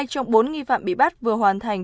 hai trong bốn nghi phạm bị bắt vừa hoàn thành